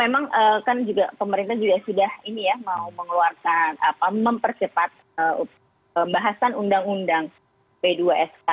bahkan pemerintah juga sudah mau mempercepat pembahasan undang undang b dua sk